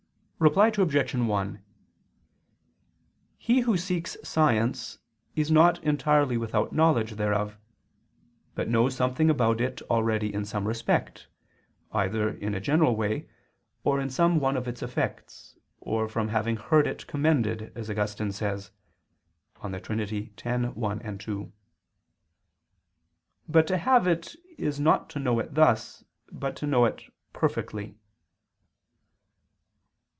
Reply Obj. 1: He who seeks science, is not entirely without knowledge thereof: but knows something about it already in some respect, either in a general way, or in some one of its effects, or from having heard it commended, as Augustine says (De Trin. x, 1, 2). But to have it is not to know it thus, but to know it perfectly.